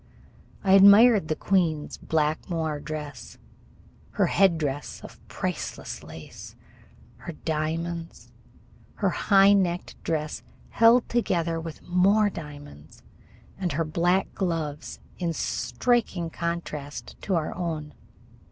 I admired the queen's black moire dress, her headdress of priceless lace, her diamonds, her high necked dress held together with more diamonds, and her black gloves, in striking contrast to our own.